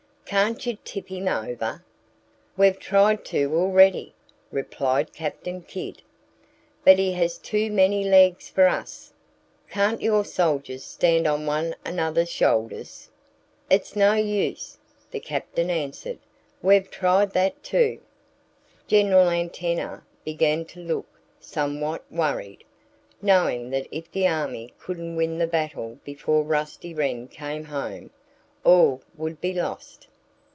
"Can't you tip him over?" "We've tried to already," replied Captain Kidd. "But he has too many legs for us." "Can't your soldiers stand on one another's shoulders?" "It's no use," the Captain answered. "We've tried that too." General Antenna began to look somewhat worried, knowing that if the army couldn't win the battle before Rusty Wren came home, all would be lost.